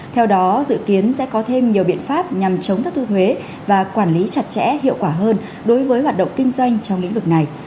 theo đó dự kiến sẽ có thêm nhiều biện pháp nhằm chống thất thu thuế và quản lý chặt chẽ hiệu quả hơn đối với hoạt động kinh doanh trong lĩnh vực này